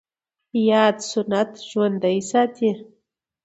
ياد سنت ژوندی ساتي